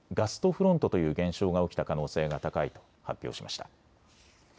フロントという現象が起きた可能性が高いと発表しました。